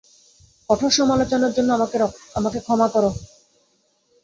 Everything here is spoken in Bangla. কঠোর সমালোচনার জন্য আমাকে ক্ষমা কর।